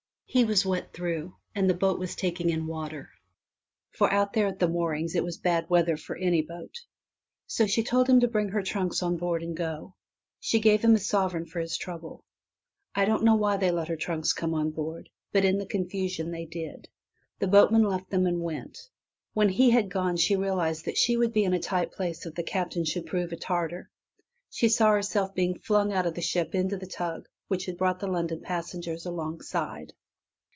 He was wet through, and the boat was taking in water, for out there at the moorings it was bad weather for any boat. So she told him to bring her trunks on board and go. She gave him a sovereign for his trouble. I don't know why they let her trunks come on board, but in the confusion they did. The boatman left them and went. When he had gone she realized that she would be in a tight place if the Captain should prove a tartar. She saw herself being flung out of the ship into the tug which had brought the London passengers alongside.